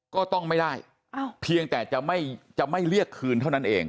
ก็ต้องไม่ได้เพียงแต่จะไม่เรียกคืนเท่านั้นเอง